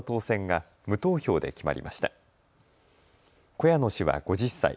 小谷野氏は５０歳。